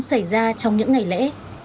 xảy ra trong những ngày lễ